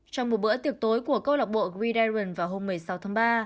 trong một bữa tiệc tối của câu lạc bộ green diaon vào hôm một mươi sáu tháng ba